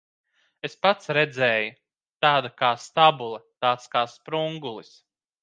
Es pats redzēju. Tāda kā stabule, tāds kā sprungulis.